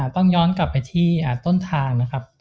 ต้องย้อนกลับไปที่ต้นทางนะครับ